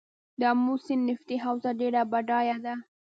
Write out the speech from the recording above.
د امو سیند نفتي حوزه ډیره بډایه ده.